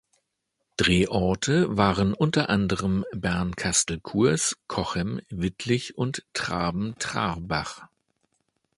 Drehorte waren unter anderem Bernkastel-Kues, Cochem, Wittlich und Traben-Trarbach.